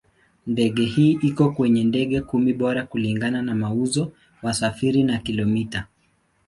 Ndege hii iko kwenye ndege kumi bora kulingana na mauzo, wasafiri na kilomita.